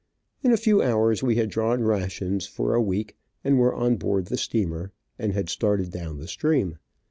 In a few hours we had drawn rations to last a week, and were on board the steamer, and had started down stream.